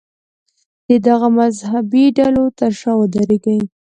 د دغو مذهبي ډلو تر شا ودرېږي.